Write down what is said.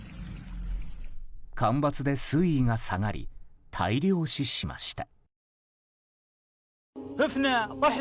干ばつで水位が下がり大量死しました。